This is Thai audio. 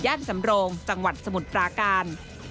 สำโรงจังหวัดสมุทรปราการ